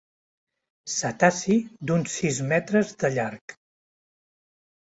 Cetaci d'uns sis metres de llarg.